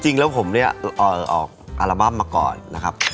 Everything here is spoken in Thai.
จริงแล้วผมเนี่ยออกอัลบั้มมาก่อนนะครับ